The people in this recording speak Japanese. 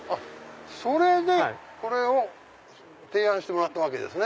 それでこれを提案してもらったわけですね。